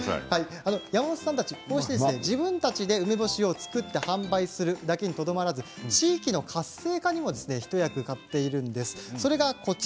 山本さんたち、こうして自分たちで梅干しを作って販売するだけにとどまらず地域の活性化にも一役買っているんです。